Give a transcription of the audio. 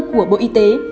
của bộ y tế